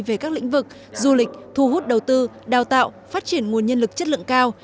về các lĩnh vực du lịch thu hút đầu tư đào tạo phát triển nguồn nhân lực chất lượng cao